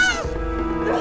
aku akan menghina kau